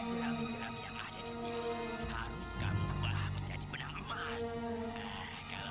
dan kamu akan disantap sama naga kesayangan om duragan